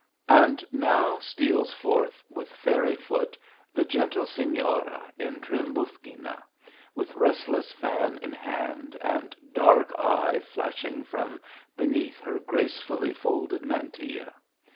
And Jiow steals forth with fairy foot the gentle Senora.lrTtrim busquina ; with restless. fan in hand and dark eye flashing from beneath her gracefully folded mantilla.